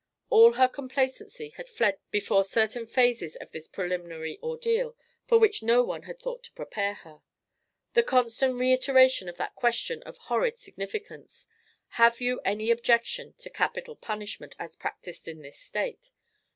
All her complacency had fled before certain phases of this preliminary ordeal for which no one had thought to prepare her. The constant reiteration of that question of horrid significance: "Have you any objection to capital punishment as practised in this State?"